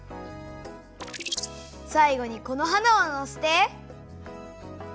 さいごにこの花をのせて。